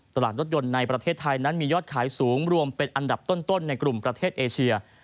ตลาดรถยนต์ในประเทศไทยนั้นมียอดขายสูงรวมเป็นอันดับต้นในกลุ่มประเทศเอเชีย